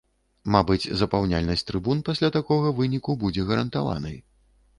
Мабыць, запаўняльнасць трыбун пасля такога выніку будзе гарантаванай.